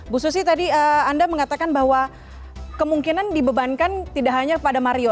bu susi tadi anda mengatakan bahwa kemungkinan dibebankan tidak hanya kepada mario